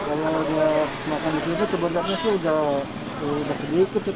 kalau udah makan disitu sebenarnya sudah sedikit sih